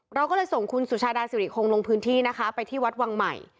เราก็เลยส่งคุณสุชาดาสิริคงลงพื้นที่นะคะไปที่วัดวังใหม่